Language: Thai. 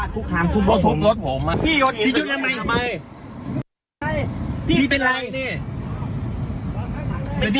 พี่ยืดยังไงพี่เป็นไรพี่เป็นไรพี่เป็นไรพี่ใจเย็นดิ